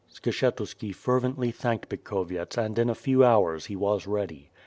Skshetuski fervently thanked Bikhovyets and in a few hours he was ready.